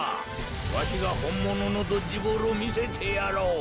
わしがほんもののドッジボールをみせてやろう。